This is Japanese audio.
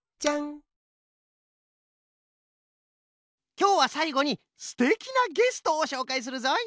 きょうはさいごにすてきなゲストをしょうかいするぞい。